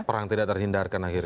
perang tidak terhindarkan akhirnya